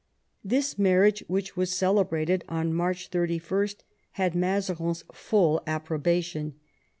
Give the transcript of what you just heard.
This marriage, which was celebrated on March 31, had Mazarin's full approbation.